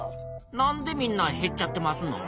なんでみんなへっちゃってますのん？